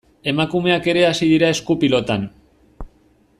Emakumeak ere hasi dira esku-pilotan.